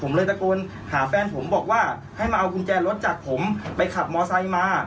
ผมเลยตะโกนหาแฟนผมบอกว่าให้มาเอากุญแจรถจากผมไปขับมอไซค์มา